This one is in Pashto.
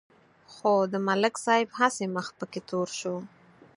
خو د ملک صاحب هسې مخ پکې تور شو.